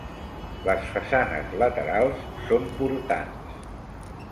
Les façanes laterals són portants.